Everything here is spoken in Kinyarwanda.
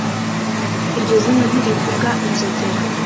iryo zina ntirivuga inzogera